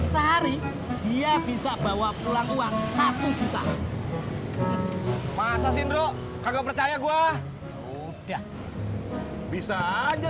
sehari dia bisa bawa pulang uang satu juta masa sindro kagak percaya gua udah bisa aja